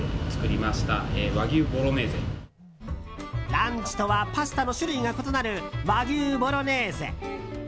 ランチとはパスタの種類が異なる、和牛ボロネーゼ。